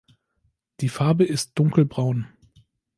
Die Farbe ist dunkelbraun.